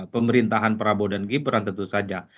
pemerintahan prabowo dan gibran tentu saja